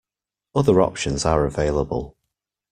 Other options are available.